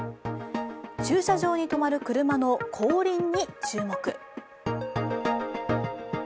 駐車場に止まる車の後輪に注目。